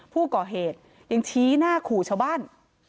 ผู้ก่อเหตุยังชี้หน้าขู่ชาวบ้าน